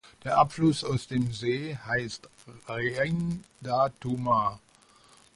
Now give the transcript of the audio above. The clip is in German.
Der Abfluss aus dem See heisst Rein da Tuma.